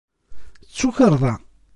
D tukerḍa.